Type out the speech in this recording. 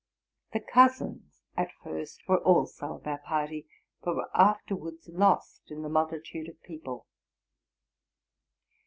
The cousins at first were also of our party, but were afterwards lost in the multitude of peo ple.